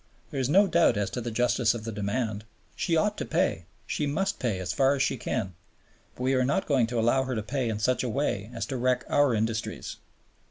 There is no doubt as to the justice of the demand. She ought to pay, she must pay as far as she can, but we are not going to allow her to pay in such a way as to wreck our industries."